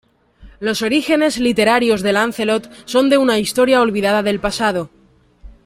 Los orígenes literarios de Lancelot son de una historia olvidada del pasado.